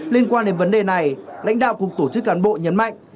liên quan đến vấn đề này lãnh đạo cục tổ chức cán bộ nhấn mạnh